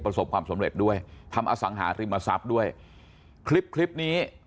ประสบความสำเร็จด้วยทำอสังหาริมทรัพย์ด้วยคลิปคลิปนี้